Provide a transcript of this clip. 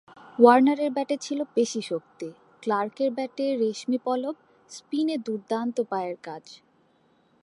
ওয়ার্নারের ব্যাটে ছিল পেশিশক্তি, ক্লার্কের ব্যাটে রেশমি পলব, স্পিনে দুর্দান্ত পায়ের কাজ।